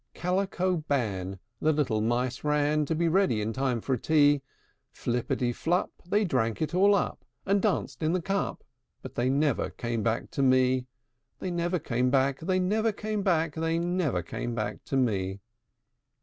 III. Calico ban, The little Mice ran To be ready in time for tea; Flippity flup, They drank it all up, And danced in the cup: But they never came back to me; They never came back, They never came back, They never came back to me.